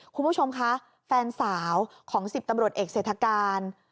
คุณผู้ชมคะแฟนสาวของ๑๐ตำรวจเอกเศรษฐการ